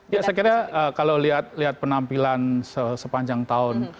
ya saya kira kalau lihat penampilan sepanjang tahun